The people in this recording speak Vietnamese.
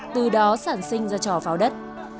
từ đó sản sinh ra trò pháo đất